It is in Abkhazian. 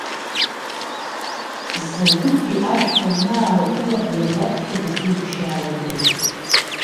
Заурбеи ашә данаалагыла, иара иаԥхьа даду ибжьы ааиргеит…